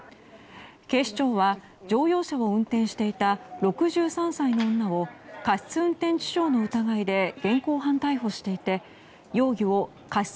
警視庁は乗用車を運転していた６３歳の女を過失運転致傷の疑いで現行犯逮捕していて容疑を過失